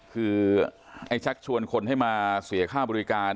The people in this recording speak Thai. คือไอ้ชักชวนคนให้มาเสียค่าบริการ